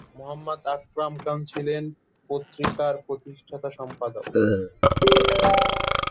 মোহাম্মদ আকরম খাঁ ছিলেন পত্রিকার প্রতিষ্ঠাতা সম্পাদক।